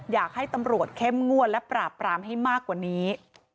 อยากให้ตำรวจเข้มงวดและปราบปรามให้มากกว่านี้